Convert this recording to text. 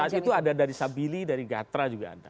iya saat itu ada dari sabili dari gatra juga ada